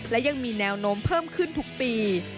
และยังมีแนวโน้มเพิ่มขึ้นทุกปี